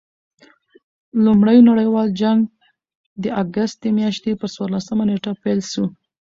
لومړي نړۍوال جنګ د اګسټ د میاشتي پر څوارلسمه نېټه پيل سو.